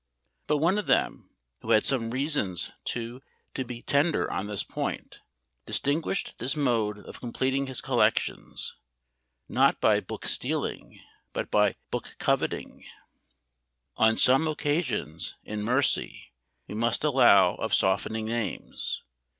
But one of them, who had some reasons too to be tender on this point, distinguished this mode of completing his collections, not by book stealing, but by book coveting. On some occasions, in mercy, we must allow of softening names.